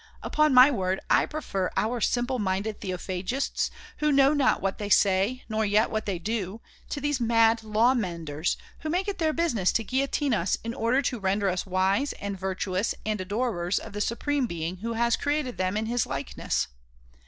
Upon my word I prefer our simple minded theophagists who know not what they say nor yet what they do, to these mad law menders, who make it their business to guillotine us in order to render us wise and virtuous and adorers of the Supreme Being who has created them in His likeness.